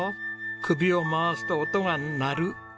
首を回すと音が鳴る子！